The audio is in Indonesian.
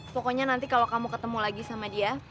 pokoknya nanti kalau kamu ketemu lagi sama dia